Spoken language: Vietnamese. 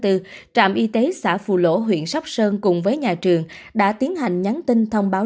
trạm y tế xã phù lỗ huyện sóc sơn cùng với nhà trường đã tiến hành nhắn tin thông báo